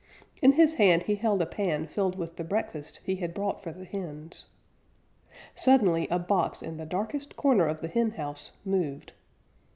In his hand he held a pan filled with the breakfast he had brought for the hens. Suddenly a box in the darkest corner of the henhouse moved.